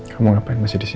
kamu ngapain masih di sini